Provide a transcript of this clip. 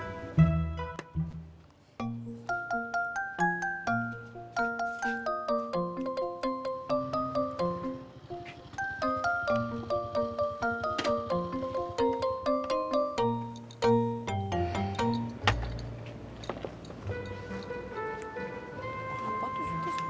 apa tuh tisu